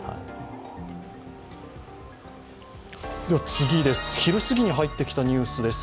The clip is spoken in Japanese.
次です、昼すぎに入ってきたニュースです。